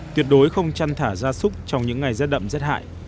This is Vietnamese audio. tuyệt đối không chăn thả gia súc trong những ngày giết đậm giết hại